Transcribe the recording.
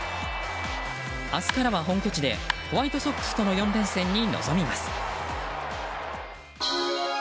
明日からは本拠地でホワイトソックスとの４連戦に臨みます。